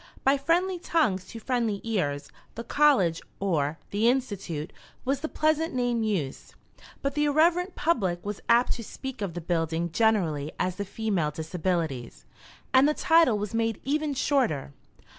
By friendly tongues to friendly ears "The College" or "the Institute" was the pleasant name used; but the irreverent public was apt to speak of the building generally as the "Female Disabilities." And the title was made even shorter.